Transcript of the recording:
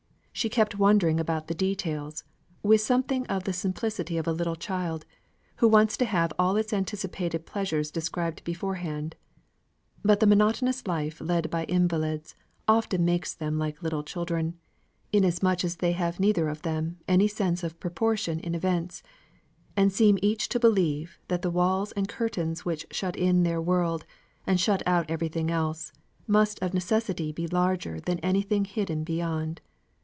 She kept wondering about the details, with something of the simplicity of a little child, who wants to have all its anticipated pleasure described beforehand. But the monotonous life led by invalids often makes them like children, inasmuch as they have neither of them any sense of proportion in events, and seem each to believe that the walls and curtains which shut in their world, and shut out everything else, must of necessity be larger than anything hidden beyond.